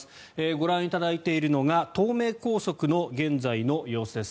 ご覧いただいているのが東名高速の現在の様子です。